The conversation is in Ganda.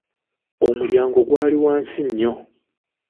Omulyango gwali wansi nnyo.